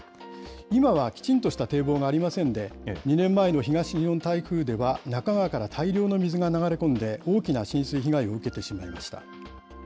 今はきちんとした堤防がありませんで、２年前の東日本台風では、那珂川から大量の水が流れ込んで、大きな浸水被害を受けてしまいました。